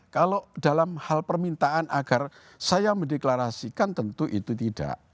kalau dalam hal permintaan agar saya mendeklarasikan tentu itu tidak